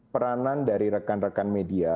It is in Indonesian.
peranan dari rekan rekan media